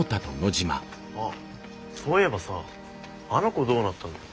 あっそういえばさあの子どうなったんだよ。